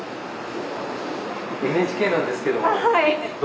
ＮＨＫなんですけど。